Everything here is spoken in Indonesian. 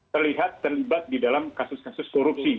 terlihat terlibat di dalam kasus kasus korupsi